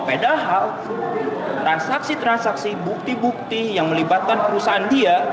padahal transaksi transaksi bukti bukti yang melibatkan perusahaan dia